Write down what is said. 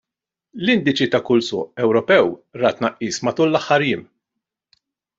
L-indiċi ta' kull suq Ewropew ra tnaqqis matul l-aħħar jiem.